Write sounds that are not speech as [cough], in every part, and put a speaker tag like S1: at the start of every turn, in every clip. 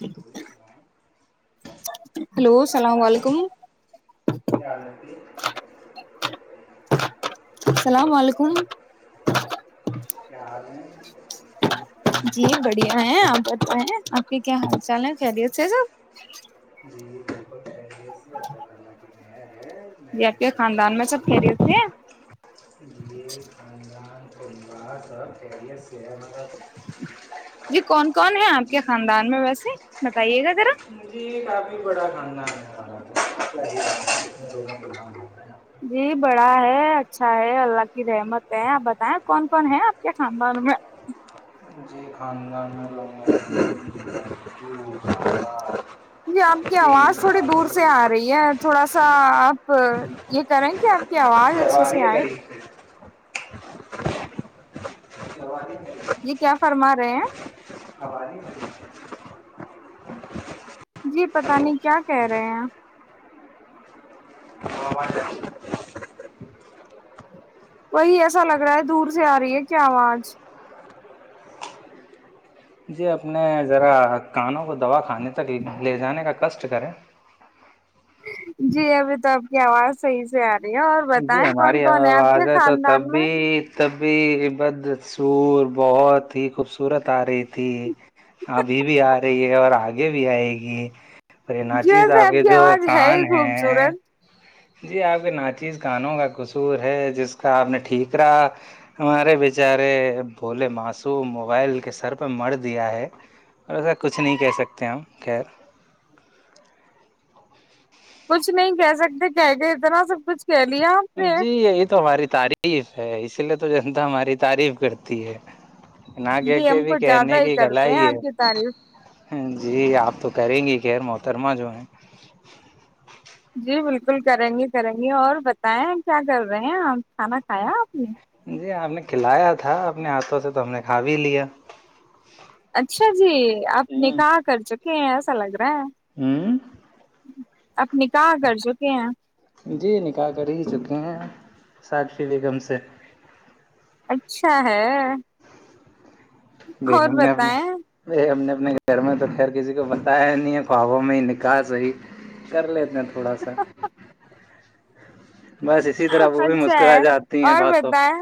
S1: کیا
S2: ہلو السلام و علیکم
S1: جیا ال ن ت
S2: اللام و علیکم
S1: کیا
S2: جی بڑھیا ہیں آپ بچہ ہیں آپ کی کیا حال چال ہے خیریت سے سب
S1: ی
S2: ج آپ کے خاندان میں سب کھیلے ہوتے ہیں
S1: اں س مطلب
S2: جی کون کون ہے آپ کے خاندان میں ویسے بتائیے گا ذرا
S1: مجھے یہ کافی بڑا کھانا
S2: جی بڑا ہے اچھا ہے اللہ کی رحمت ہے آپ بتائیں کون کون ہے آپ کے خاندان میں
S1: جی خاندان میں لوگ
S2: ج آپ کی آواز تھوڑی دور سے آ رہی ہے تھوڑا سا آپ یہ کریں کہ آپ کی آواز اچھے سے
S1: قریب
S2: آئے
S1: قریب [unintelligible] [unintelligible]
S2: جی کیا فرما رہے ہیں
S1: [unintelligible]
S2: جی پتہ نہیں کیا کہہ رہے ہیںپ
S1: [unintelligible]
S2: وہی ایسا لگ رہا ہے دور سے آ رہی ہے کیا آج
S1: جی اپنے ذرا کانوں کو دبا کھے تک لے جانے کا کس کرر
S2: جی ابھی تو آپ کی آواز صحیح سے آ رہی ہے اور
S1: جی
S2: بتائیں کون
S1: ہماری
S2: کون آپ کے
S1: آواز ہے تو تب
S2: خاندان میں
S1: بھی تب بھی بدسور بہت ہی خوبصورت آ رہی تھی ابھی بھی آ رہی ہے اور آگے بھی آئے گی ا
S2: جی ویسے
S1: ناچیزاحب
S2: آپ
S1: کے
S2: کی
S1: جو
S2: آواز ہے
S1: کان
S2: ہی
S1: ہیں
S2: خوبصورت
S1: جی آپ کے ناطذ کانوں کا قصور ہے جس کا آپ نے ٹھیکرا ہمارے بیچارے بھولے معصوم موبائل کے سر پہ مر دیا ہے ایسا کچھ نہیں کہہ سکتے ہم خیر
S2: کچھ نہیں کہہ سکتے کہ کے ادنا سب کچھ کہہ لیا آپ نے
S1: جی یہ یہ تو ہماری تعریف ہے اسی لیے تو جنتا ہماری تعریف کرتی ہے نہ کہہ
S2: جی ہم
S1: کے بھی
S2: کچھ زیادہ
S1: کہنے
S2: ہی
S1: کی کلا
S2: کرتے ہیں
S1: ہی
S2: آپ کی
S1: ہے
S2: تعریف
S1: جی آپ تو کریں گی غیر محترمہ جو ہیں
S2: جی بالکل کریں گی کریں گی اور بتائیں کیا کر رہے ہیں آپ کھانا کھایا آپ نے
S1: جی آپ نے کھلایا تھا اپنے ہاتھوں سے تو ہم نے کھا بھی لیا
S2: اچھا جی آپ نے کہا کر چک اس الگرا
S1: ہوں
S2: نکاح کر چکے ہیں
S1: جی نکالح کر ہی چکے ہیں سات فی بی گم سے
S2: اچھا ہے
S1: بی
S2: اور
S1: ہم نے
S2: بتائیں
S1: ہم نے اپنے گھر میں تو خیر کسی کو بتایا نہیں ہے خوابوں میں ہی نکاح صی کر لیتے ہیں تو تھوڑا سا بس اسی طرح وہ بھی
S2: اچھا ہے
S1: مسکراہ جاتی ہیں
S2: اور
S1: باتوں
S2: بتائیں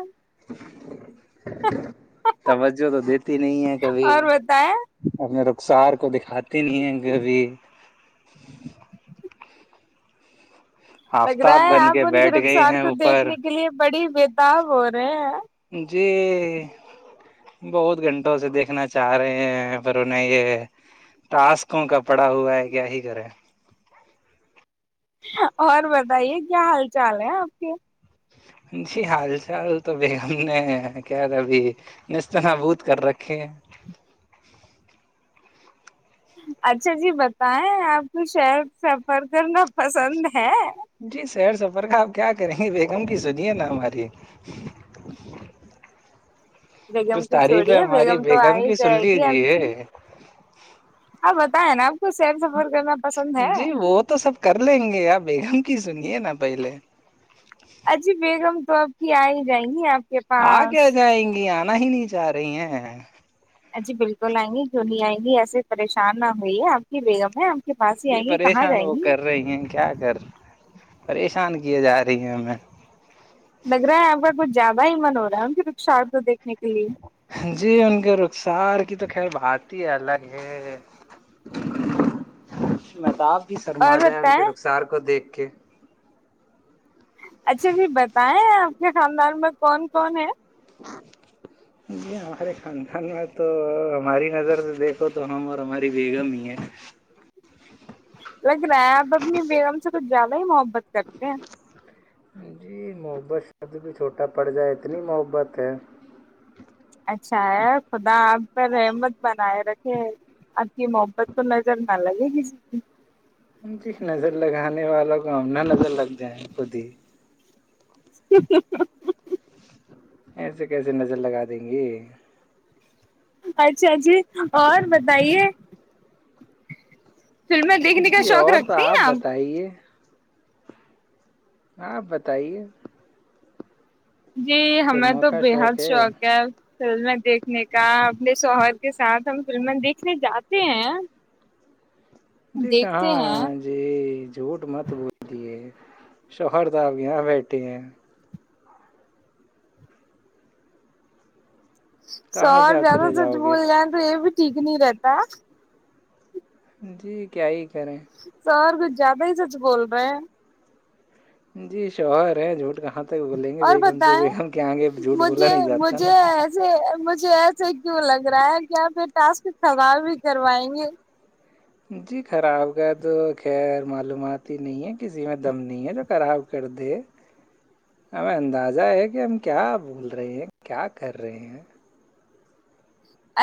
S1: تمججہ تو دیک [unintelligible] نہیں ہے کبھی
S2: اور بتائیں
S1: اپنے [unintelligible] اصار کو دکھاتے نہیں ہیں کبھی [unintelligible]
S2: [inaudible] لگ
S1: آفتاب
S2: رہا ہے
S1: بن
S2: آپ ان کے
S1: بیٹھ گئی
S2: رخسار
S1: ہیں
S2: کو
S1: اوپر
S2: دیکھنے کے لیے بڑی [unintelligible] ت ب رہے [unintelligible]
S1: جی بہت گھنٹوں سے دیکھنا چاہ رہے ہیں پر انہیں یہ ٹاسکوں کا پڑا ہوا ہے کیا ہی کریں [unintelligible]
S2: اور بتائیے کیا حال چال ہے آپ کے [unintelligible]
S1: جی حال چال تو بیگم نے کیا تھابھی نست نبود کر رکھے [unintelligible]
S2: اچھا جی بتائیں آپ کو شہر سفر کرنا پسند ہے [unintelligible]
S1: جی سیر سفر کا آپ کیا کریں گے بیگم کی سنیے نا ہماری [unintelligible]
S2: بیگم
S1: کچھ
S2: کی چھڑی
S1: تعریفیں
S2: ہے
S1: ہماری
S2: بیگم تو آ ہی
S1: کی سن
S2: جائے گی آپ کی
S1: لیجیے
S2: آپ بتیں نا آپ [unintelligible] تو س سب
S1: جی وہ تو سب کر لیں گے بیگن [unintelligible] ک سن ن پائیلے [unintelligible]
S2: اجی بیگم [unintelligible] تو اب کی آ ہی جائیں گی آپ [inaudible] [inaudible]
S1: آ کہ
S2: پاس
S1: جیں گیار [unintelligible] نا ہی نہیں چاہ رہی ہیں [inaudible]
S2: ا جی بالکل آئیں گی کیوں نہیں آئیں گی ایسے پریشان نہ ہوئی ہے آپ کی بیگم ہے [unintelligible]
S1: جی
S2: آئیں گی کہاں
S1: پریشان
S2: جائیں
S1: وہ
S2: گی
S1: کر رہی ہیں کیا کر پریش [unintelligible] پشان کی جا رہی ہیں ہمیں [unintelligible]
S2: لگ رہا ہے آپ کا کچھ زیادہ ہی من ہو رہا ہے پھر شار کو دھنے کا
S1: جی ان کے رخ سار کی تو خیر بات ہی الگ ہے میں تو آپ کی سرما
S2: اور
S1: جائے ان کے
S2: بتائیں
S1: رخسار کو دیکھ اوکے
S2: اچھا بھی بتائیں آپ کے خاندان میں کون کون ہے
S1: جی ہمارے خان خان میں تو ہماری نظر سے دیکھو تو ہم اور ہماری بیگم ہی ہے
S2: لگ رہا ہے بب بییرم سے تو زیاد ہی بت کرتے ہیں
S1: جی محبت شبد بھی چھوٹا پڑ جائے اتنی محبت ہے
S2: اچھا ہے خدا آپ پر رحمت بنائے رکھے آپ کی محبت کو نظر نہ لگے کسی کی
S1: جی نظر لگانے والوں کو ہم ن نظر لگ جائیں خود ہی
S2: ا [inaudible]
S1: ایسے کیسے نظر لگا دیں گی
S2: خچ آجی اور بتائیے فلمیں دیکھنے کا
S1: جی
S2: شوق
S1: اور تو
S2: رکھتی ہیں آپ
S1: بتائیے ہاں بتائیے
S2: جی ہمیں تو بےحد شوق ہے فلمیں دیکھنے کا اپنے شوہر کے ساتھ ہم فلمیں دیکھنے جاتے ہیں
S1: دیکھ
S2: دیکھتے
S1: کہاں
S2: ہیں
S1: جی جھوٹ مت بولتیے شوہردہ آپ کے یہاں بیٹھے ہیں کہاں
S2: شوہر
S1: سے آپ
S2: زیادہ
S1: چلے
S2: سچ
S1: جاؤ گے
S2: بول جائن تو یہ بھی ٹھیک نہیں رہتا
S1: جی کیا ہی کرے
S2: سر زیادہ ہی سچ بول رہا ہے
S1: جی شوہر ہے جھوٹ کا یہاں تک بولیں گے
S2: اور
S1: بیگم سے
S2: بتائیں
S1: بیگم کے آگے جھوٹ بولا
S2: مجھے
S1: نہیں جاتا
S2: مجھے
S1: نا
S2: ایسے مجھے ایسے کیوں لگ رہا ہے کہ آپ یہ ٹاسک خراب ہی کروائیں گے
S1: جی خراب کا تو خیر معلومات ہی نہیں ہے کسی میں دم نہیں ہے جو خراب کر دے ہمیں اندازہ ہے کہ ہم کیا بھول رہے ہیں کیا کر رہے ہیں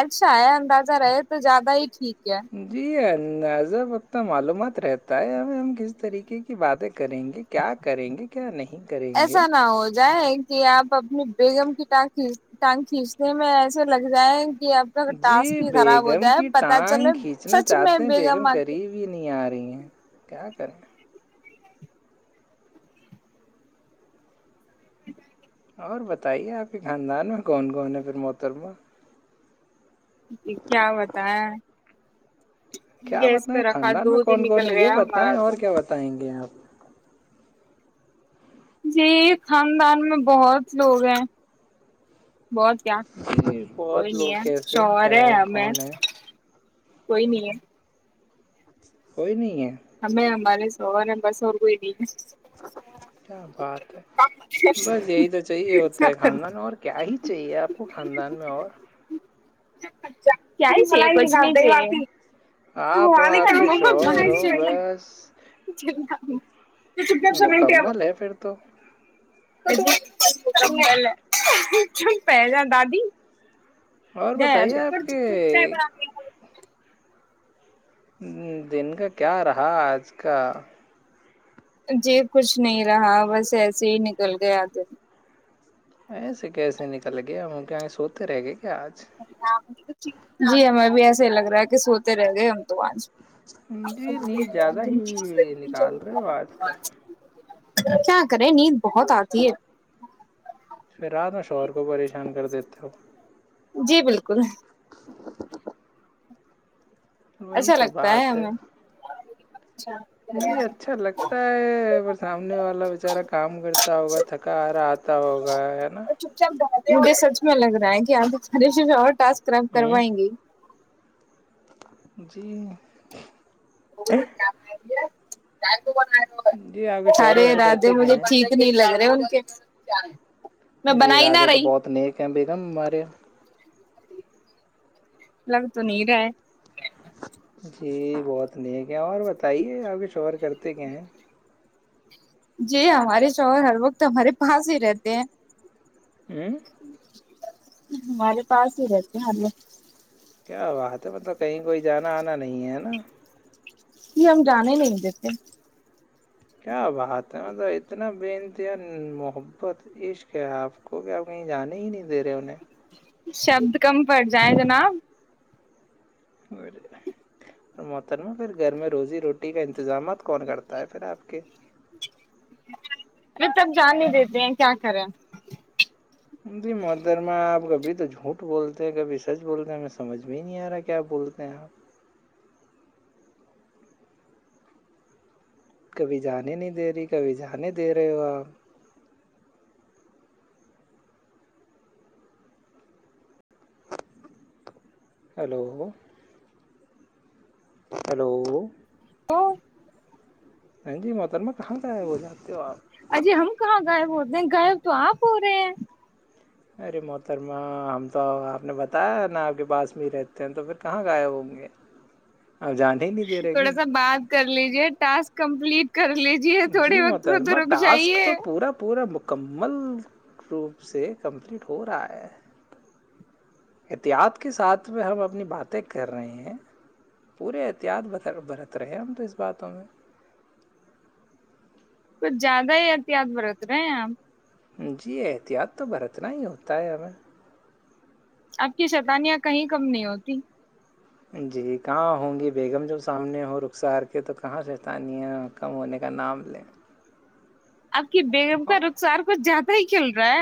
S2: اچھا ہے اندازہ رہے تو زیادہ ہی ٹھیک ہے
S1: جی نذب وقت معلومات رہتا ہے ہمیں ہم کس طریقے کی باتیں کریں گے کیا کریں گے کیا نہیں کریں گے
S2: ایسا نہ ہو جائے کہ آپ اپنی بیگم کی ٹانگ کھینچ ٹانگ کھینچنے میں ایسے لگ جائےیں
S1: جی بیگم کی
S2: پتا چلے
S1: ٹانگ کھینچنا
S2: سچ میں
S1: چاہتے ہیں بیگم
S2: آ کے
S1: قریب ہی نہیں آ رہی ہیں کیا کرے
S2: [unintelligible]
S1: اور بتائیے آپ کے خاندان میں کون کون ہے پھر محترمہ
S2: جی کیا بتائے
S1: کیا بتائیں خاندان میں کون کون
S2: نکل
S1: ہے یہ
S2: گیا
S1: بتائیں
S2: ہمارا
S1: اور
S2: تو
S1: کیا بتائیں گے آپ
S2: جی خاندان میں بہت لوگ ہیں بہت کیا
S1: جی
S2: کوئی
S1: بہت لوگ
S2: نہیں ہے
S1: کیسے ہیں، کیا
S2: شورہیں
S1: ہے
S2: ہم ہیں
S1: کون ہے
S2: کوئی نہیں ہے
S1: کوئی نہیں ہے
S2: ہمیں ہمارے شوہر ہیں بس کوئ نہیں ہے
S1: کیا بات ہے بس یہی تو چاہیے ہوتا ہے خاندان اور کیا ہی چاہیے آپ کو خاندان میں اور
S2: کیا ہی چاہیے کچھ نہیں چاہے
S1: آپ ہو آپ کے شوہر ہو بس
S2: [unintelligible] کچھ
S1: مکمل ہے پھر تو
S2: چپ بیٹھ جا دادی
S1: اور بتائیے آپ کے
S2: [unintelligible]
S1: دن کا کیا رہا آج کا
S2: جی کچھ نہیں رہا بس ایسے ہی نکل گیا د
S1: ایسے کیسے نکل گیا ہم کیا سوتے رہ گئے کیا آج
S2: جی ہمیں بھی ایس لگ رہا کہ سوتے رہ گئے ہم تو آانچ
S1: جی ند زیادہ ہی نکال رہے بات کر
S2: کیا کرے نیند بہت آتی ہے
S1: پھر رات میں شوہر کو پریشان کر دیتے ہو
S2: جی بالکل
S1: [unintelligible] وہی
S2: اچھا لگتا ہے ہمیں
S1: ج اچھا لگتا ہے سامنے والا بچارا کام کرتا ہوگا تھکا رہا آتا ہوگا ہے نا
S2: چپ چاپ بہاتے مجھے سچ میں لگ رہا ہے کہ آپ اور ٹسک اسرب
S1: ہوں
S2: کروائیں گے
S1: جی [unintelligible]
S2: ج
S1: جی آپ کے شوہر
S2: اارے
S1: ویسے
S2: راادے
S1: کرتے کیا
S2: مجھے
S1: ہیں
S2: ٹھیک نہیں لگے کے میں
S1: جی
S2: بنا ہی نہ
S1: راجے تو
S2: رہی
S1: بہت نیک ہیں بھی نم مارے
S2: لگ تو نہیں رہا ہے
S1: جی بہت نیک ہے اور بتائیے آپ ک شوور کرتے کیا ہیں
S2: جی ہمارے شوہر ہر وقت ہمارے پاس ہی رہتے ہیں
S1: ہوں
S2: [inaudible] ہمارے پاس ہی رہتے ہر وہ
S1: کیا بات ہے مطلب کہیں کوئی جانا آنا نہیں ہے نا
S2: ج ہم جانے نہیں دیتے
S1: کیا بات ہے مط توب اتنا ب دین محبت عیشق ہے آپ کو کہ آپ کہیں جانے ہی نہیں دے رہے انہیں
S2: شبد کم پڑ جائےیں جناب
S1: موتر میں پھر گھر میں روزی روٹی کا انتظامات کون کرتا ہے پھر آپ کے
S2: ارے تب جان ہی دیتے ہیں کیا کریں [unintelligible]
S1: جی مترما آپ کبھی تو جھوٹ بولتے ہیں کبھی سچ بولتے ہیں ہمیں سمجھ میں نہیں آ رہا کیا بولتے ہیں آپ کبھی جانے نہیں دے رہی کبھی جانے دے رہے ہو آپ ہلو [unintelligible] ہلو [unintelligible]
S2: تو [unintelligible]
S1: ہاں جی محترمہ کہاں سے آیا وہول جات تو آ [unintelligible]
S2: اجے ہم کہاں غائب ہوتے ہیں غائب تو آپ ہو رہے ہیں [unintelligible]
S1: ارے محترما ہم تو آپ نے بتایا ن آپ کے پاس میں ہی رہتے ہیں تو پھر کہاں گئے ہوں گے آپ جان ہی نہیں دے رہے گی
S2: تھوڑا سا بات کر لیجے ٹسک کمپلیٹ کر لیجیے
S1: جی
S2: تھوڑے وقت ادھر
S1: محترمہ
S2: رک
S1: ٹاسک
S2: جائیے
S1: تو پورا پورا مکمل روپ سے کمپلیٹ ہو رہا ہے احتیاط کے ساتھ میں ہم اپنی باتیں کر رہے ہیں پورے احتیاط برت رہے ہیں ہم تو اس باتوں میں
S2: کچھ زیادہ ہی احتیاط برت رہے ہیں آپ [unintelligible]
S1: جی احتیاط تو برتنا ہی ہوتا ہے ہمیں
S2: آپ کی شیتانیاں کہیں کم نہیں ہوتی
S1: جی کہاں ہوں گی بیگم جب سامنے ہو رخسار کے تو کہاں شیطانیہں کم ہونے کا نام لیں
S2: کہ بیگم کا
S1: اور
S2: رخسار کچھ جاتا ہی [unintelligible] چلرا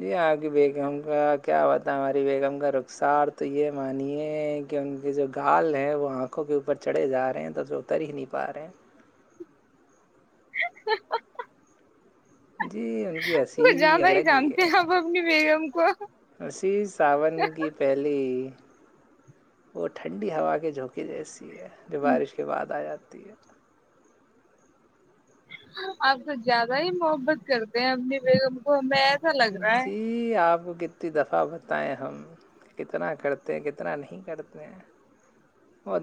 S1: جی آپ کی بیگم کا کیا ہوتا ہے ہماری بیگم کا رخسار تو یہ مانیے کہ ان کی جو گال ہے وہ آنکھوں کے اوپر چڑھے جا رہے ہیں تو جو اتر ہی نہیں پا رہے
S2: [inaudible]
S1: جی ان کی ہنسی
S2: کچھ
S1: ہی الگ ہی ہے
S2: کوا [unintelligible]
S1: وشی ساون کی پہلی [unintelligible] وہ ٹھنڈی ہوا کے جھونکے جیسے تی ہے جوب بارش کے بعد آ جاتی ہے [unintelligible] تی ہے [unintelligible]
S2: آپ تو زیادہ ہی محبت کرتے ہیں اپنی بیگم کو ہمیں ایسا لگ رہا ہے
S1: جی آپ کتنی دفعہ بتائیں ہم کتنا کرتے ہیں کتنا نہیں کرتے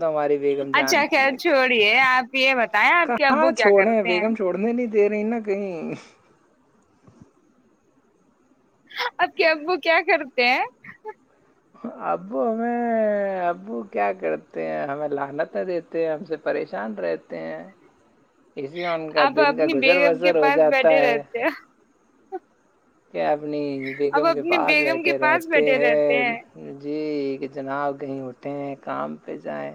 S1: تو ہماری بیگم
S2: اچھا
S1: جانتی
S2: خیر
S1: ہے
S2: چھوڑیے آپ یہ بتائیں آپ کے ابو کیا کرتے ہیں
S1: د رہیںا کہیں [unintelligible]
S2: اب کے ابو کیا کرتے ہیں
S1: ابو ہمیں ابو کیا کرتے ہیں ہمیں لنت نہ دیتے ہیں ہم سے پریشان رہتے ہیں اسی میں ان کا
S2: آپ
S1: دل کا
S2: اپنی
S1: گزر
S2: بیگم کے
S1: بسر ہو
S2: پاس
S1: جاتا
S2: بیٹھے
S1: ہے
S2: رہتے ہیں
S1: اپنی
S2: آپ
S1: بیگم کے
S2: اپنی
S1: پاس
S2: بیگم کے
S1: بیٹھے
S2: پاس
S1: رہتے
S2: بیٹھے رہتے
S1: ہیں کہ جناب کہیں اٹھے کام پہ جائیں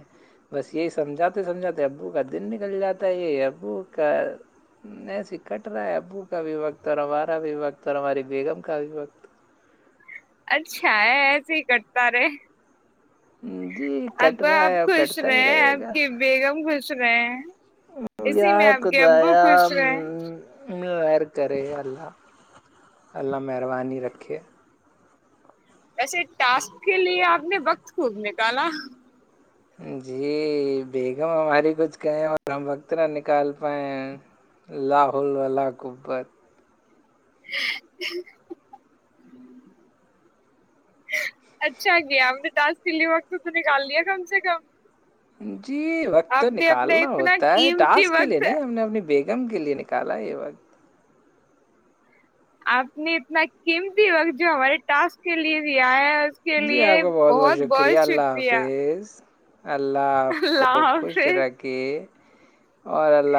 S1: بس یہی سمجھاتے سمجھاتے ابو کا دن نکل جاتا ہے یہ اب ابو کا ایسے کٹ رہا ہے ابو کا بھی وقت اور ہمارا بھی وقت اور ہماری بیگم کا بھی وقت
S2: اچھا ہے ایسے ہی کرتا رہے
S1: ہ [unintelligible]
S2: اب آپ خوش رہے آپ کی بیگم خوش رہ [inaudible]
S1: کت
S2: رہے
S1: [unintelligible] غیر کرے اللہہ اللہہ مہربانی رکھے [unintelligible]
S2: وسے ٹاسک کے لیے آپ نے وقت خب نکالا
S1: جی بیگم ہماری کچھ کہیں اور ہم وقت نہ نکال پائے لاہول واللا قبت
S2: اچھا گیا امرتاس دلی وقت تو تو نکال دیا کم سے کم
S1: ہوں [inaudible] جی وقت
S2: آپ
S1: تو
S2: نے اپنا
S1: نکالنا
S2: اتنا
S1: ہوتا ہے
S2: قیمتی
S1: ٹاسک کے لیے
S2: وقت
S1: نہیں ہم نے اپنی بیگ گم گ لیلی نکالا ہے یہ ب [unintelligible]
S2: آپ نے اتنا قیمتی وقت جو ہمارے ٹاسک کے لیے بھی آیا [unintelligible]
S1: جی آپ کا بہت بہت شکریہ اللہ
S2: شکریہ
S1: حافظ اللہ آپ کو
S2: اللہ
S1: خوش
S2: حافظ
S1: رکھے اور اللہ